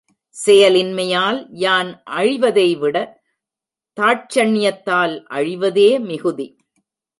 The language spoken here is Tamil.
செயலின்மையால் யான் அழிவதைவிட தாட்சண்யத்தால் அழிவதே மிகுதி.